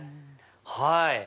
はい。